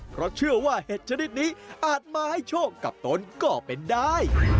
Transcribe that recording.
เพราะเชื่อว่าเห็ดชนิดนี้อาจมาให้โชคกับตนก็เป็นได้